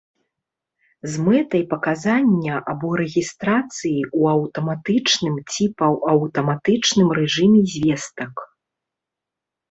З мэтай паказання або рэгістрацыі ў аўтаматычным ці паўаўтаматычным рэжыме звестак